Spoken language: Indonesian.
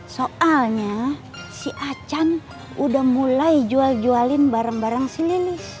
soalnya si achan sudah mulai jual jualin barang barang si lilis